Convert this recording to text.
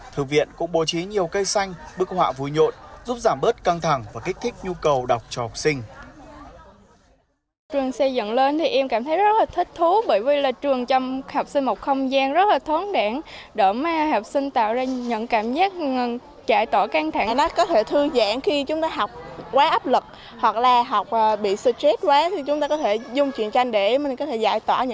thư viện cũng bố trí nhiều cây xanh bức họa vui nhộn giúp giảm bớt căng thẳng và kích thích nhu cầu đọc cho học sinh